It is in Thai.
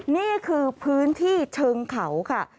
นี่คือพื้นที่เชิงเขาค่ะ